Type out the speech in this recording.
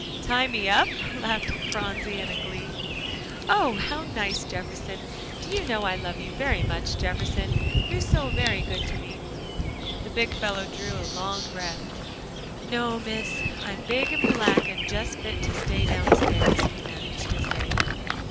"Tie me up?" laughed Phronsie in glee. "Oh! how nice, Jefferson. Do you know I love you very much, Jefferson, you're so very good to me?" The big fellow drew a long breath. "No, Miss, I'm big and black, and just fit to stay downstairs," he managed to say.